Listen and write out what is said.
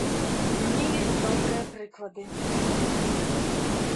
У мяне ёсць добрыя прыклады.